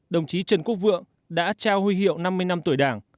đồng chí trần quốc vượng đã trao huy hiệu năm mươi năm tuổi đảng